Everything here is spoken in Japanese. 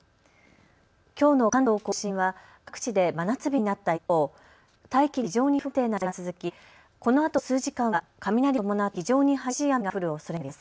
きょうの関東甲信は各地で真夏日になった一方、大気が非常に不安定な状態が続きこのあと数時間は雷を伴った非常に激しい雨が降るおそれがあります。